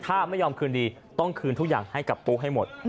ถ้าไม่ยอมคืนดีต้องคืนทุกอย่างให้กับปุ๊ให้หมด